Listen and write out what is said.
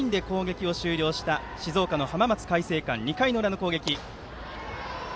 初回３人で攻撃を終了した静岡の浜松開誠館、２回裏の攻撃。